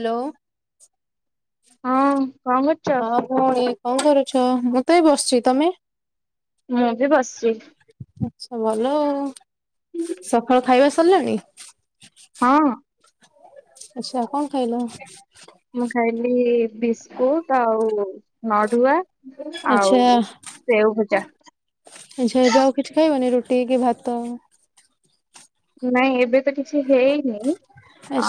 Hello. ହଁ କଣ କରୁଚ? ଭଉଣି କଣ କରୁଛ ମୁତ ଏଇ ବସିଛି ତମେ? ମୁଁବି ବସିଚି। ଆଛା ଭଲ ଆଉ ସକାଳୁ ଖାଇବା ସରିଲାଣି? ହଁ। ଆଛା, କଣ ଖାଇଲ? ମୁଁ ଖାଇଲି ବିସ୍କୁଟ ଆଉ ନଡ଼ୁଆ ଆଚ୍ଛା ଆଉ ସେଓ ଭଜା। ଆଛା ଏବେ ଆଉ କିଛି ଖାଇବନି ରୁଟିକି ଭାତ? ନାଇଁ ଏବେତ କିଛି ହେଇନି।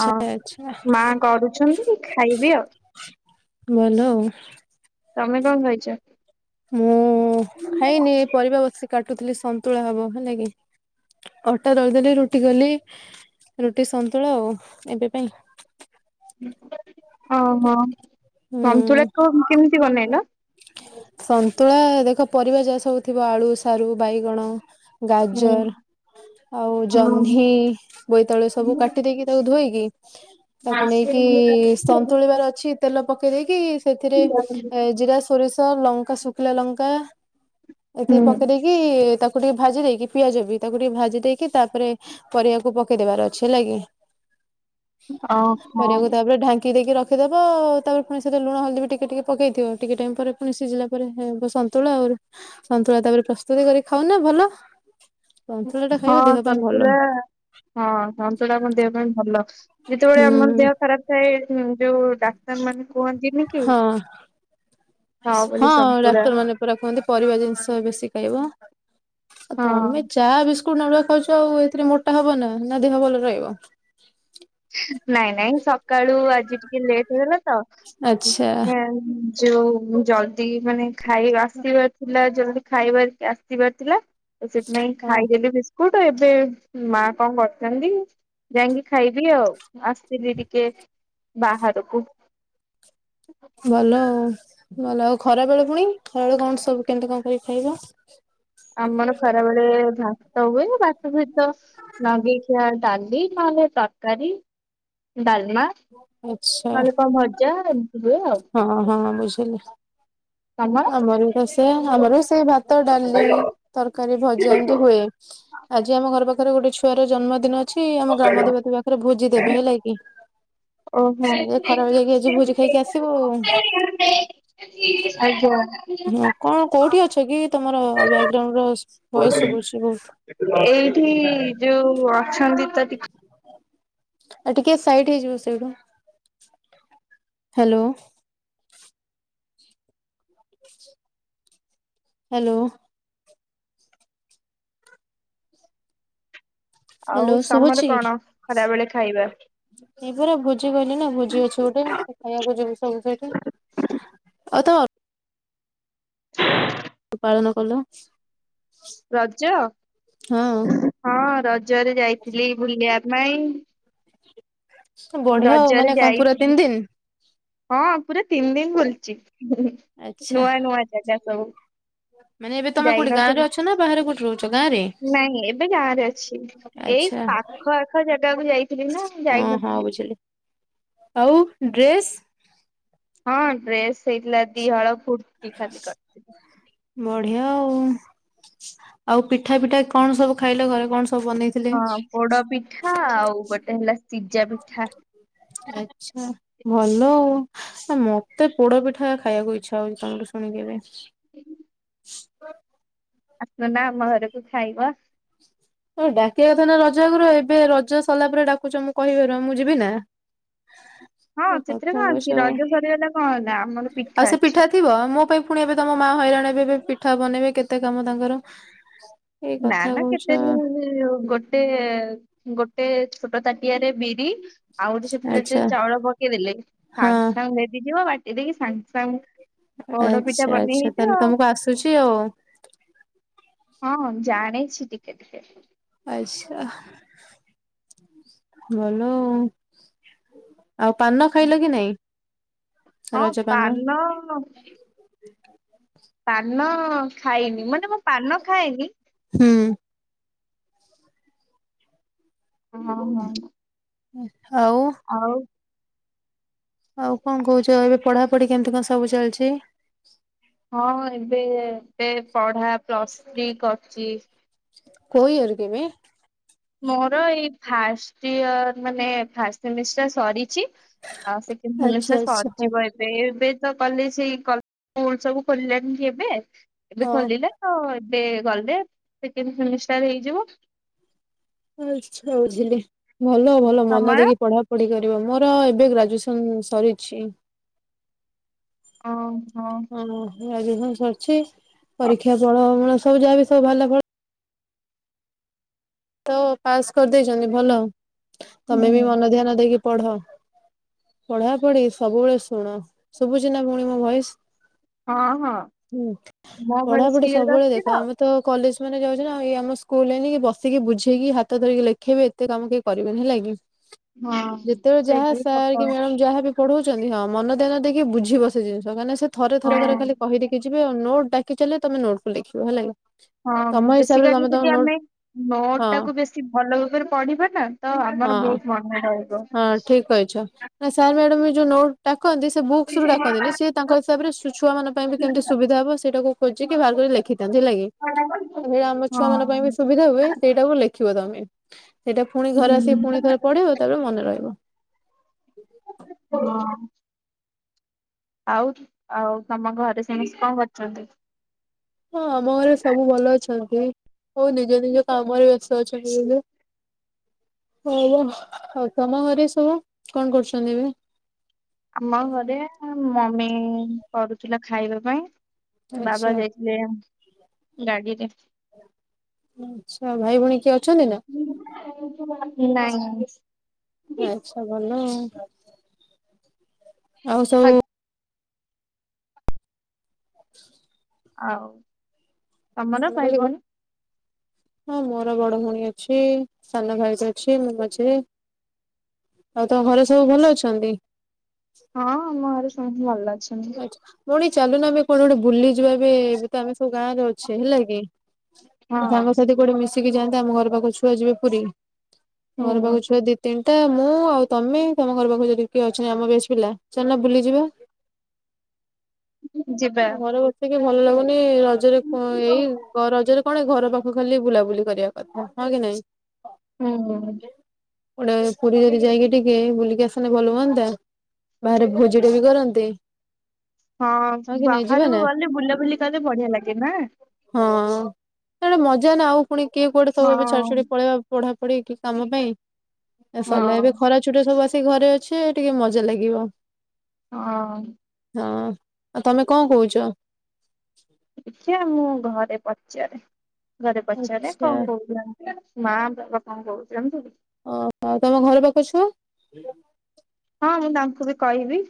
ଆ ଆଚ୍ଛା ମା କରୁଛନ୍ତି ଖାଇବି ଆଉ। ଭଲ ଆଉ। ତମେ କଣ ଖାଇଚ? ମୁଁ ଖାଇନି ଏପରିବା ବସିକି କାଟୁଥିଲି ସନ୍ତୁଳା ହବ ହେଲାକି। ଅଟା ତଳିଦେଲି ରୁଟି କଲି ରୁଟି ସନ୍ତୁଳା ଆଉ ଏବେ ପାଇଁ। ଓହୋ ହୁଁ ସନ୍ତୁଳା କୋ କେମିତି ବନେଇଲ? ସନ୍ତୁଳା ଦେଖ ପରିବା ଯାସବୁ ଥିବ ଆଳୁ ସାରୁ ବାଇଗଣ। ହୁଁ। ଗାଜର ଆଉ ଜହ୍ନି ବୋଇତାଳୁ ସବୁ କାଟି ଦେଇକି ତାକୁ ଧୋଇକି ତାକୁ ନେଇକି ସନ୍ତୁଳିବାର ଅଛି। ତେଲ ପକେଇ ଦେଇକି ସେଥିରେ ଜିରା ସୋରିଷ ଲଙ୍କା ଶୁଖିଲା ଲଙ୍କା ଏତିକି ପକେଇ ଦେଇିକି କି ତାକୁ ଟିକେ ଭାଜି ଦେଇକି ପିଆଜବି ତାକୁ ଟିକେ ଭାଜି ଦେଇକି ତାପରେ ପରିବାକୁ ପକେଇଦେବାର ଅଛି ହେଲା କି। [inaudible] ଓହୋ ପରିବାକୁ ତାପରେ ଢାଙ୍କି ଦେଇକି ର ଖି ଦବ ତାପରେ ପୁଣି ସେଇ ଯୋଉ ଲୁଣ ହଳଦୀ ବି ଟିକେ ଟିକେ ପକେଇଥିବ ଟିକେ ଟାଇମ୍ ପରେ ପୁଣି ସିଝିଲା ପରେ ସନ୍ତୁଳା ଆଉ ରୁ ସନ୍ତୁଳା ତାପରେ ପ୍ରସ୍ତୁତି କରି ଖାଉନ ଭଲ। ସନ୍ତୁଳା ଟା ହଁ ଖାଇବ ଦେହ ପାଇଁ ଭଲ ସନ୍ତୁଳା ହଁ ସନ୍ତୁଳା ଟା ଆମ ଦେହ ପାଇଁ ଭଲ ଯେତେବେଳେ ଆମର ହୁଁ ଦେହ ଖରାପ ଥାଏ ଉଁ ଯୋଉ ଡା ସେମାନେ କୁହନ୍ତିନି କି ହଁ ଖାଅ ହଁ ବୋଲି ସନ୍ତୁଳା। ଡାକ୍ତର ମାନେ ପୁରା କୁହନ୍ତି ପରିବା ଜିନିଷ ବେଶୀ ଖାଇବ ଆଉ ହଁ ତମେ ଚା ବିସ ସ୍କୁଟ୍ ନହେଲେ ଖାଉଛ ଆଉ ଏଥିରେ ମୋଟା ହବନିନା ନାଁ ଦେହ ଭଲରେ ରହିବ। ନାଇଁ ନାଇଁ ସକାଳୁ ଆଜି ଟିକେ ଲେଟ୍ ହେଇଗଲା ତ ଆ ଉଁ ଆଚ୍ଛା ଏ ଉଁ ଯୋଉ ଜଲ୍ଦି ମାନେ ଖାଇବା ଆସିବାର ଥିଲା ଜଲ୍ଦି ଖାଇବାର ଆସିବାର ଥିଲା। ତ ସେଥିପାଇଁ ହଁ ଖାଇଦେଲି ବିସ୍କୁଟ ଏବେ ମା କଣ କରୁଛନ୍ତି ଯାଇଁକି ଖାଇ ଥିଲିଆଉ ଆସିଥିଲି ଟିକେ ବାହାରକୁ। ଭଲ ଆଉ ଭଲ ଆଉ ଖରାବେଳେ ପୁଣି ଖରାବେଳେ କଣ ସବୁ କେମିତି କଣ କରିକି ଖାଇବ? ଆମର ଖରାବେଳେ ଭାତ ହୁଏଇ ରା ତା ସହିତ ଲଗେଇ ଖିଆ ଡାଲି ନହେଲେ ତରକାରୀ ଡାଲମା। ଆଛା ନହେଲେ କଣ ଭଜା ଏମିତି ହୁଏ ଆଉ ହଁ ହଁ ହଁ ବୁଝିଲି। ତମର? ଆମରି ବି ତ ସେମ୍ ଆମର ବି ସେଇ ଭାତ ଡାଲି ତରକାରୀ ଭଜା ଏମିତି ହୁଏ। ଆଜି ଆମ ଘର ପାଖରେ ଗୋଟେ ଛୁଆର ଜନ୍ମଦିନ ଅଛି ଆମ ଗ୍ରାମଦେବତୀ ପାଖରେ ଭୋଜି ଦେବେ ହେଲା କି। ଓହୋ ସେ ଖରାବେଳେ ଯାଇକି ଆଜି ଭୋଜି ଖାଇକି ଆସିବୁ ଆଉ। ଆଜ୍ଞା। ହଁ କଣ କୋଉଠି ଅଛ କି ତମର ବ୍ୟାଗଗ୍ରାଉଣ୍ଡ୍ ର ଭଏସ୍ ସୁଭୁଛି ବହୁତ। ଏଇଠି ଯୋଉ ଅଛନ୍ତି ତ ଟି ଆଉ ଟିକେ ସାଇଟ୍ ହେଇଯିବ ସେଇଠୁ ହାଲୋ। [inaudible] ହାଲୋ। ଆଉ ହ୍ୟାଲୋ ତମର ଶୁଭୁଛି କଣ ଖରାବେଳେ ଖାଇବା? ଏଇ ପରା ଭୋଜି କହିଲି ନାଁ ଭୋଜି ଅଛି ଗୋଟେ ଖାଇବାକୁ ଯିବୁ ସବୁ ସେଇଠି। ଆଉ ତ ପାଳନ କଲ? ରଜ? ହଁ ହଁ ରଜରେ ଯାଇଥିଲି ବୁଲିବା ପାଇଁ। ବଢିଆ ଆଉ ମାନେ ରଜରେ କଣ ପୁରା ତିନି ଯାଇଥିଲି। ଦିନ ହଁ ପୁରା ତିନି ଦିନ ବୁଲିଛି। ଆଚ୍ଛା ନୂଆ ନୂଆ ଜାଗା ସବୁ ମାନେ ଏବେ ତମେ କୋଉଠି ଗାଁ ରେ ଯାଇନାହାନ୍ତି କି? ଅଛ ନାଁ ବାହାରେ କୋଉଠି ରହୁଛ ଗାଁ ରେ? ନାଇଁ ଏବେ ଗାଁରେ ଅଛି। ଏଇ ଆଚ୍ଛା ପାଖ ଆଖ ଜାଗାକୁ ଯାଇଥିଲି ନା ମୁଁ ହଁ ହଁ ଯାଇନଥିଲି। ବୁଝିଲି ଆଉ ଡ୍ରେସ୍? ହଁ ଡ୍ରେସ୍ ହେଇଥିଲା ଦି ହଳ କୁର୍ତ୍ତି ଖାଲି କରିଥିଲି। ବଢିଆ ଆଉ ଆଉ ପିଠା ଫିଠା କଣ ସବୁ ଖାଇଲ ଘରେ କଣ ସବୁ ବନେଇ ହଁ ପୋଡ ପିଠା ଆଉ ଗୋଟେ ହେଲା ସିଝା ପିଠା। ଆଛା ଭଲ ଆଉ। ମତେ ପୋଡ ପିଠା ଖାଇବାକୁ ଇଛା ହଉଛି ତମଠୁ ଶୁଣିକି ଏବେ। ଆସୁନା ଆମ ଘରକୁ ଖାଇବ। ହଉ ଡାକିବା କଥା ନାଁ ରଜ ଆଗରୁ ଆଉ ଏବେ ରଜ ସରିଲାପରେ ଡାକୁଛ ମୁଁ କହିବାରୁ ମୁଁ ଯିବି ନାଁ? ହଁ ସେଥିରେ କଣ କହୁଛ ଅଛି ଆଉ ରଜ ସରିଗଲା କଣ ହେଲା ଆମର ଆଉ ପିଠା ସେ ଅଛି। ଥିବ ମୋ ପାଇଁ ପୁଣି ଏବେ ତମ ମା ହଇରାଣ ଏବେ ଏବେ ପିଠା ବନେଇବେ କେତେ କାମ ତାଙ୍କର ଏଇ କଥା କହୁଛି। ହୁଁ ଗୋଟେ ଗୋଟେ ଛୋଟ ତାଟିଆ ରେ ବିରି ଆଉ ଗୋ ସେଠି ଆଚ୍ଛା ଚାଉଳ ପକେଇଦେଲେ ହଁ ସାଙ୍ଗେ ସାଙ୍ଗ ଭେଦି ଯିବ ବାଟି ଦେଇକି ସାଙ୍ଗେ ସାଙ୍ଗେ ପୋଡ ପିଠା ଆଚ୍ଛା ବନେଇ ଆଚ୍ଛା ତାହେଲେ ହେଇଯିବ ଆଉ। ତମକୁ ଆସୁଛି ଆଉ। ହଁ ଜାଣିଛି ଟିକେ ଟିକେ। ଆଛା ଭଲ ଆଉ ଆଉ ପାନ ଖାଇଲ କି ନାଇଁ? ହଁ ରଜ ପାନ ହ ପାନ ଖାଇନି ମାନେ ମୁଁ ପାନ ଖାଏନି। ହୁଁ। ହଉ ହଉ। ହଉ ଆଉ ଆଉ କଣ କହୁଛ ଏବେ ପଢାପଢି କେମିତି କଣ ସବୁ ଚାଲିଛି। ହଁ ଏବେ ଏବେ ପଢ଼ା ପ୍ଲସ୍ ଥ୍ରୀ କରୁଛି। କୋଉ ୟାର କି ଏବେ? ମୋର ଏଇ ଫାଷ୍ଟ ୟାର ମାନେ ଫାର୍ଷ୍ଟ ସେମିଷ୍ଟର ସରିଛି। ଆଉ ସେକେଣ୍ଡ ଆଚ୍ଛା ସେମିଷ୍ଟର ଆଚ୍ଛା ହଁ ସରିଛି ବୋ। ଏବେ ତ କଲେଜ ସେଇ କ ସ୍କୁଲ ସବୁ ଖୋଲିଲାଣି କି ଏବେ। ଏବେ ଖୋଲିଲା ଆ ଏବେ ଗଲେ ସେକେଣ୍ଡ ସେମିଷ୍ଟାର ହେଇଯିବ। ଆଛା ବୁଝିଲି ଭଲ ଭଲ ମନ ତମର ଦେଇକି ପଢ ପଢିପାରିବ ମୋର ଏବେ ଗ୍ରାଜୁଏସନ ସରିଛି। ହଁ ହଁ। ହଁ ରାଜ ଅଛି ପରୀକ୍ଷା ଫଳ ଫଳ ସବୁ ଯାହାବି ସବୁ ଭଲ ଫଳ ତ ପାସ୍ କରିଦେଇଛନ୍ତି ଭଲ ହୁଁ ତମେ ବି ମନ ଧ୍ୟାନ ଦେଇକି ପଢ। ପଢା ପଢି ସବୁବେଳେ ଶୁଣ ଶୁଭୁଚିନା ପୁଣି ମୋ ଭଏସ? ହଁ ହଁ। ହୁଁ ମୋ ଭଏସ୍ ପଢାପଢି କ୍ଲିୟର ସବୁବେଳେ ଆସୁଛି ଦେଖ ଆମ ତ କଲେଜ ମାନେ ଯାଉଛନ୍ତି ନା ଆମ ସ୍କୁଲି ବସ ଆସିକି ବୁଝେଇକି ହାତ ଧରିକି ଲେଖେଇବେ ଏତେ କାମ କେହି କରିବେନି ହେଲା କି? ହଁ ଯେତେବେଳେ ଯାହା ସେଇଟା ବି ସାର୍ ସତ କି ମ୍ୟାଡ଼ ଯାହା ବି ପଢଉଛନ୍ତି ହଁ ମନଧ୍ୟାନ ଦେଇକି ବୁଝିବ ସେ ଜିନିଷ କାହିଁକ ନା ସେ ଥରେ ଥର କରେ ଖଲି କହି ଦେଇକି ଯିବେ ଆଉ ନୋଟ ଡାକି କି ଚାଲି ବେ ତମେ ନୋଟୁ କୁ ଲେଖିବ ହେଲା କି। ହଁ ତମ ହିସାବରେ ବେସିକାଲି ତମେ ତମ ଯଦି ନୋଟ ଆମେ ନୋଟ ହଁ ଟାକୁ ବେଶୀ ଭଲ ଭାବରେ ପଢିବା ନା ତ ହଁ ଆମର ବହୁତ ମନ ରହିବ। ହଁ ଠିକ କହିଛ ସାର୍ ମ୍ୟାଡ଼ମ୍ ଏ ଯୋଉ ନୋଟ ଡାକନ୍ତି ସେ ବୁକ୍ସୁ ରୁ ଡାକନ୍ତିିନି ସେ ତାଙ୍କ ହିସାବରେ ଛୁଆ ମାନଙ୍କ ପାଇଁ ବି କେମିତି ସୁବିଧା ହବ ସେଇଟାକୁ ଖୋଜିକି ବାହାର କରି ଲେଖିଥାନ୍ତିଲା ହେଲା କି ହେରା ଆମ୍ ଛୁଆ ମାନଙ୍କ ପାଇଁ ବି ହଁ। ସୁ ସୁବିଧା ହୁଏ ସେଇଟାକୁ ଲେଖିବ ତମେ ସେଇଟା ପୁଣି ଘରେ ହୁଁ ଆସିକି ପୁଣି ଥରେ ପଢିବ ତାପରେ ମନେ ରହିବ। ହଁ। ଆଉ ଆଉ ତମ ଘରେ ସମସ୍ତେ କଣ କରୁଛନ୍ତି? ହଁ, ଆମ ଘରେ ସବୁ ଭଲ ଅଛନ୍ତି। ସବୁ ନିଜ ନିଜ କାମରେ ବ୍ୟସ୍ତ ଅଛନ୍ତି। ହଁ ପା ଆଉ ତମ ଘରେ ସବୁ କଣ କରୁଛନ୍ତି ଏବେ? ଆମ ଘରେ ମମି କରୁଥିଲା ଖାଇବା ପାଇଁ ଆଚ୍ଛା ବାବା ଯାଇ ଲେ ଗାଡିରେ। ଆଚ୍ଛା ଭାଇ ଭଉଣୀ କିଏ ଅଛନ୍ତି ନା? ନାଇଁ। ଆଚ୍ଛା ଭଲ ଆଉ ଆଉ ହଇ। ସବୁ ଆଉ ତମର ମୁଁ ଭାଇ କହିଲି ଭଉଣୀ? ହଁ ମୋର ବଡ ଭଉଣୀ ଅଛି ସାନ ଭାଇଟେ ଅଛି ମ-ମଝିରେ। ଆଉ ତମ ଘରେ ସବୁ ଭଲ ଅଛନ୍ତି? ହଁ ଆମ ଘରେ ସମସ୍ତେ ଭଲ ଅଛନ୍ତି। ଆଚ୍ଛା ଭଉଣୀ ଚାଲୁନ ଆମେ କୁଆଡେ ଗୋଟେ ବୁଲିଯିବା ଏବେ ଏବେ ତ ଆମେ ସବୁ ଗାଁରେ ଅ ଛେ ହେଲା କି ହଁ ସାଙ୍ଗ ସାଥି କୁଆଡେ ମିଶିକି ଯାଆନ୍ତେ ଆମ ଘର ପାଖ ଛୁଆ ଯିବେ ପୁରୀ ଆମ ଘର ହୁଁ। ପାଖ ଛୁଆ ଦି ତିନଟା ମୁଁ ଆଉ ତମେ ତମ ଘର ପାଖକୁ ଯଦି କିଏ ଅଛନ୍ତି ଆମ ବ୍ୟାଚ ପିଲା ଚାଲୁନା ବୁଲିଯିବା। ଯିବା। ଟିକେ ଭଲ ଲାଗୁନି ରଜରେ କ ଏଇ ଗ ରଜରେ କଣ ଏ ଘର ପାଖୁକୁ ଖାଲି ବୁଲା ବୁଲି କରିଆ କଥା ହଁ କି ନାଇଁ? ହୁଁ ହୁଁ। ଗୋଟେ ପୁରୀ ଯଦି ଯାଇକି ଟିକେ ବୁଲିକି ଆସନ୍ତେ ଭଲ ହୁଅନ୍ତା। ବାହାରେ ଭୋଜି ଟେ ବି କରନ୍ତେ। ହଁ କି ନାଇଁ ଯିବା ବାହାରୁକୁ ନା ଗଲେ ବୁଲା ବୁଲି କଲେ ବଢିଆ ଲାଗେ ନା? ହଁ ସେଇଟା ମଜା ନା ଆଉ ପୁଣି କିଏ କୁଆଡେ ହଁ ସବୁ ଏବେ ଛାଡି ଛୁଡି ପଳେଇବା ପଢା ପଢି କି କାମ ପାଇଁ ଏ ସରଲା ଏବେ ହଁ ଖରା ଛୁଟି ରେ ସବୁ ଆସିକି ଘରେ ଅଛେ ଟିକେ ମଜା ଲାଗିବ। ହଁ। ହଁ ଆଉ ତମେ କଣ କହୁଚ? ଦେଖିଆ ମୁଁ ଘରେ ପଚାରେ ଘରେ ପଚାରେ ଆଚ୍ଛା କଣ କହୁଚ ମାଆ ବା-ବାପାଙ୍କୁ କହୁଚି ଜାଣିଚୁ ଟି? ଓହୋ ଆଉ ତମ ଘର ପାଖ ଛୁଆ? ହଁ ମୁଁ ତାଙ୍କୁ ବି କହିବି।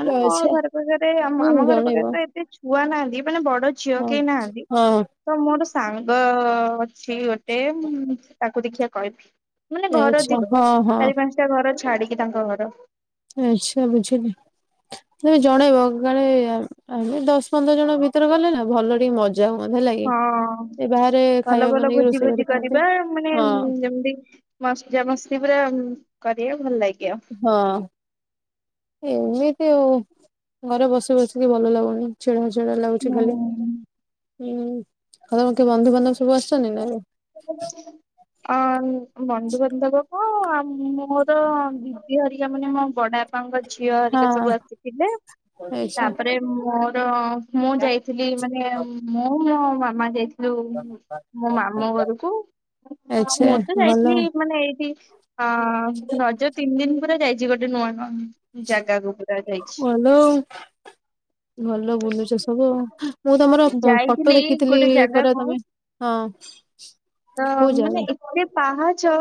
ମାନେ ମୋ ଆଚ୍ଛା ଘର ପାଖେରେ ଆମ ହୁଁ ଆମ ଘର ପାଖେରେ ଜଣେଇବ ତ ଏତେ ଛୁଆ ନାହାଁନ୍ତି ମାନେ ବଡ ଝିଅ ହଁ କେହି ନାହାନ୍ତି ହଁ ତ ମୋର ସାଙ୍ଗ ଅଛି ଗୋଟେ ଉଁ ତାକୁ ଦେଖିଆ କହିବି ମାନେ ଘର ଆଚ୍ଛା ଦି ହଁ ହଁ ଚାରି ପାଞ୍ଚ ଗୋଟେ ଘର ଛାଡିକି ତାଙ୍କ ଘର। ଆଚ୍ଛା ବୁଝିଲି। ତମେ ଜଣେଇବ କାଳେ ଆମେ ଦଶ ପନ୍ଦର ଜଣ ଭିତରେ ଗଲେ ନା ଭଲ ଟିକେ ମ ଜା ମଜା ଲାଗେ ହଁ ଏ ବାହାରେ ଭଲ ଖାଇବା ଭଲ ବନେଇକି ଭୋଜି ରୋଷେଇ ଭୋଜି କରି କରିବା ଖାଆନ୍ତି ମାନେ ହଁ। ଯେମିତି ମଜା ମସ୍ତି ପୁରା ଉଁ କରିବେ ଭଲ ଲାଗିବ। ହଁ ଏମିତି ଆଉ ଘରେ ବସି ବସିକି ଭଲ ଲାଗୁନି। ଚିଡା ଚିଡା ଲାଗୁଛି ଖାଲି ଉଁ ଆଉ କିଏ ବନ୍ଧୁ ବାନ୍ଧବ ସବୁ ଆସିଛନ୍ତି ନା? ଅଁ ବନ୍ଧୁ ବାନ୍ଧବ କଣ ଆ ମ ମୋର ତ ଦିଦି ହରିକା ମାନେ ମୋ ବଡାଆପାଙ୍କ ଝିଅ ହରିକା ସବୁ ହଁ ଆସିଥିଲେ ଆଚ୍ଛା ତାପରେ ମୋର ମୁଁ ଯାଇି ଥିଲ ମାନେ ମୁଁ ମୋ ମାମା ଯାଇଥିଲୁ। ମୋ ମାମଁ ଘରକୁ ଆଚ୍ଛା ମୁଁ ତ ଭଲ ଯାଇଥିଲି ମାନେ ଏଇଠି ଅ ରଜ ତିନି ଦିନ ପୁରା ଯାଇଛି ଗୋଟେ ନୂଆଁ ଗାଁ ଓଲୋଉ ଭଲ ବୁଲୁଛ ସବୁ ମୁଁ ତମର ଫଟୋ ଯାଇଥିଲି ଦେଖିଥିଲି ଗୋଟେ ପରା ଜାଗାକୁ ତମେ ହଁ। ତ କୋଉ ଜାଗା ମାନେ ଏତେ ପାହାଚ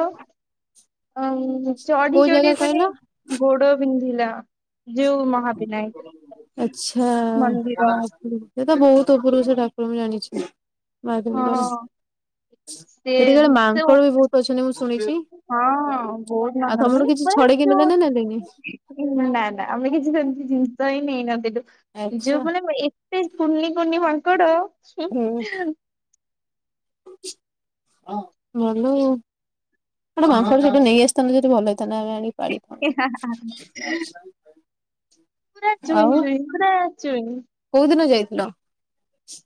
ଅ ଚଢି କୋଉ ଜାଗା ଚଢି ମାନେ କହିଲ? ଗୋଡ ବିନ୍ଧିଲା। ଯୋଉ ମହାବିନାୟକ ଆଛା। ମନ୍ଦିର ସେ ତ ବହୁତ ଉପରକୁ ସେ ଠାକୁର ମୁଁ ଜାଣିଛି। ହଁ ମୀଙ୍କର ସେ ସେଠିକାରେ ସେ ଉପ- ମାଙ୍କଡ଼ ବି ବହୁତ ଅଛନ୍ତି ମୁଁ ଶୁଣିଛି। ହଁ ବହୁତ୍ ଆଉ ମାଙ୍କଡ଼ ତମଠୁ ମନେ କିଛି ପୁରା ଛଡେଇକି ନେଲେ ନା ନେଲେନି? ଚୁ ନା ନା ଆମେ କିଛି ସେମିତି ଜିନିଷ ହିଁ ନେଇନଥିଲୁ। ଆଚ୍ଛା ଯୋଉମାନୋନେ ଏ ସେ କୁନି କୁନି ମାଙ୍କଡ। ହୁଁ ଭଲ ହୋ। ଗୋଟେ ମାଙ୍କଡ଼ ସେଠୁ ନେଇ ଆସିଥାଆନ୍ତୁ ଯଦି ଭଲ ହେଇଥାଆନ୍ତା ଆମେ ଆଣି। ପା ପା। [unintelligible] ପୁରା ଚୁଇଁ ଚୁଇଁ ପୁରା ଚୁଇଁ। କୋଉଦିନ ଯାଇଥିଲ?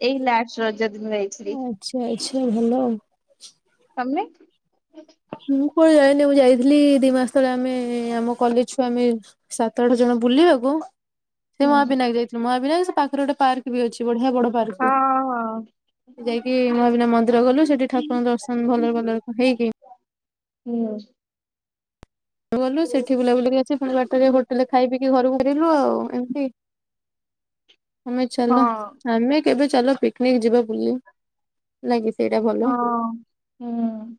ଏଇ ଲାଷ୍ଟ ରଜ ଦିନ ଯାଇଥିଲି। ଆଛା ଆଛା ଭଲ ଆଉ। ତମେ। ମୁଁ କୁଆଡେଯାାଇିନି ମୁଁ ଯାଇଥିଲି ଦି ମାସ ତଳେ ଆମେ ଆମ କଲେଜ ଛୁଆ ଆମେ ସାତ ଆଠ ଜଣ ବୁଲିବାକୁ। ହୁଁ। ସେ ମହାବିନାୟ ଯାଇଥିଲୁ ମହାବିନାୟକ ସେ ପାଖରେ ଗୋଟେ ପାର୍କ ବି ଅଛି ବଢିଆ ବଡ ପାର୍କ। ହଁ ହଁ ହୁଁ। ଯାଇକି ମହାବିନା ମନ୍ଦିର ଗଲୁ ସେଠି ଠାକୁରଙ୍କ ଦର୍ଶନ ଭଲରେ ଭଲ ହେଇକି ହୁଁ। ଗଲୁ ସେଠି ବୁଲା ବୁଲି ଆସି ବାଟରେ ହୋଟେଲରେ ଖାଇ ପିକି ଘରକୁ ଫରିଲୁ ଆଉ ଏମିତି। ଆମେ ଚାଲ ହଁ। ଆମେ କେବେ ଚାଲ ପିକନିକ ଯିବା ବୁଲି ନାକି। ଏଇଟା ଭଲ ହଁ। ହୁଁ।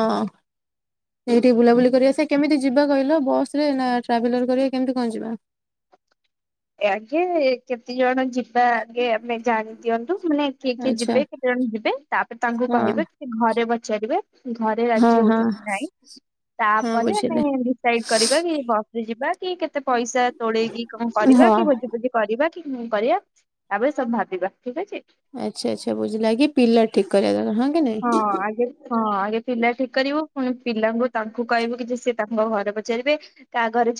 ହଁ। ସେଇଠିକି ବୁଲାବୁଲି କରିବା ସେ କେମିତି ଯିବା କହିଲ ବସ ରେ ନା ଟ୍ରାଭେଲର କରିବା କେମିତି କଣ ଯିବା ଆଗେ କେତେ ଜଣ ଯିବା ଆଗେ ଆମେ ଜାଣି ଦିଅନ୍ତୁ ମାନେ କିଏ କିଏ ଆଚ୍ଛା ଯିବେ କେତେ ଜଣ ଯିବେ ତାପରେ ତାଙ୍କୁ ହଁ କହିବେ କି ଘରେ ପଚାରିବେ ଘରେ ହଁ ରାଜି ହଁ ହଉଛନ୍ତି ନାଇଁ ହଁ ତାପରେ ଆମେ ବୁଝିଲି ଡିସାଇଡ କରିବା କି କଅଁ। ଯିବା କି କେତେ ପଇସା ତୋଳେଇକି କଣ କରି ହଁ କେମିତି କରିବା କି ନଁ କରିବା ତାପରେ ସବୁ ଭାବିବା ଠିକ୍ ଅଛି। ଆଚ୍ଛା ଆଚ୍ଛା ବୁଝିଲା ଆଗେ ପିଲାଠିକ୍ କରିବା ଦରକାର ହଁ କି ନାଇଁ। ହଁ ଆଗେପିଲା ଠିକ୍ କରିବୁ ପୁଣି ପିଲାଙ୍କୁ ତାଙ୍କୁ କହିବୁ କି ଯେ ସି ତାଙ୍କ ଘରେ ପଚାରିବେ। କହା ଘରେ ଛା